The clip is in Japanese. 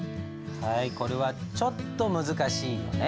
はいこれはちょっと難しいよね。